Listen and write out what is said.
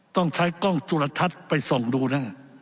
ต้องใช้กล้องจุลทัศน์ไปส่องดูนะ